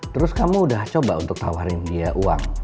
terus kamu udah coba untuk tawarin dia uang